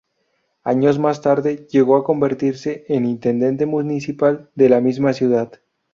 Años más tarde llegó a convertirse en Intendente Municipal de la misma ciudad.